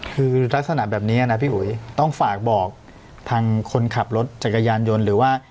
คือลักษณะแบบนี้นะพี่อุ๋ยต้องฝากบอกทางคนขับรถจักรยานยนต์หรือว่า